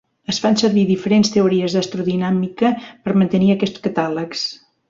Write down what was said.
Es fan servir diferents teories d'astrodinàmica per mantenir aquests catàlegs.